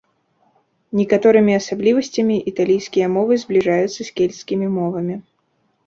Некаторымі асаблівасцямі італійскія мовы збліжаюцца з кельцкімі мовамі.